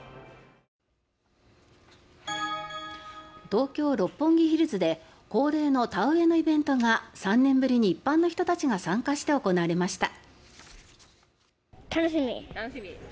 東京・六本木ヒルズで恒例の田植えのイベントが３年ぶりに一般の人たちが参加して行われました。